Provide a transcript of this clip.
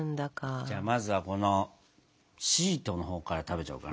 じゃあまずはこのシートのほうから食べちゃおうかな。